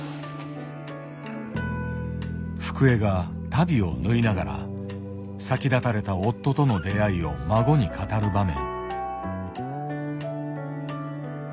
福江が足袋を縫いながら先立たれた夫との出会いを孫に語る場面。